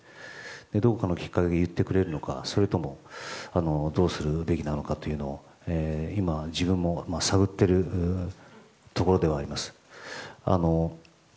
どこかのきっかけで言ってくれるのかそれともどうするべきなのかを今、自分も探っているところではあります。